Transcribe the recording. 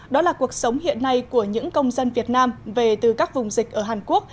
đó là cuộc sống hiện nay của những công dân việt nam về từ các vùng dịch ở hàn quốc